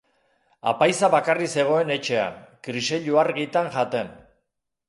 Apaiza bakarrik zegoen etxean, kriseilu-argitan jaten.